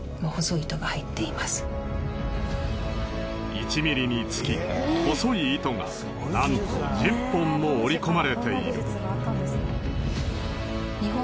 １ｍｍにつき細い糸がなんと１０本も織り込まれている。